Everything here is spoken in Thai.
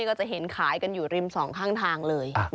ก็จะเห็นขายกันอยู่ริมสองข้างทางเลย